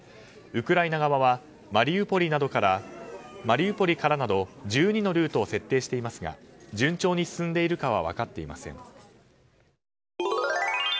ウクライナ側はマリウポリからなど１２のルートを設定していますが順調に進んでいるかは分かっていません。